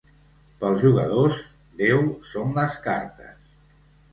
Pels jugadors, Déu són les cartes.